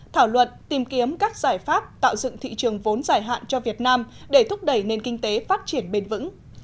thảo luận tìm kiếm các giải pháp tạo dựng thị trường vốn dài hạn cho việt nam để thúc đẩy nền kinh tế phát triển bền vững